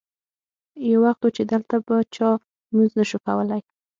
یو وخت و چې دلته به چا لمونځ نه شو کولی.